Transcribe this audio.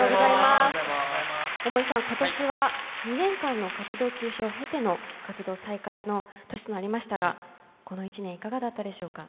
大森さん、今年は２年間の活動休止をへての活動再開の年となりましたがこの１年いかがだったでしょうか。